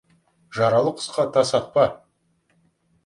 Жаралы құсқа тас атпа.